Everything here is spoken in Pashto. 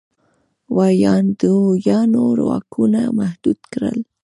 هغه د عمومي اسامبلې د ویاندویانو واکونه محدود کړل